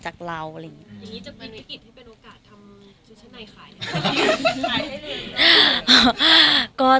ที่กำวงในอะไรขาย